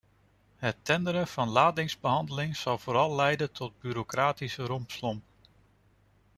Het tenderen van ladingsbehandeling zal vooral leiden tot bureaucratische rompslomp.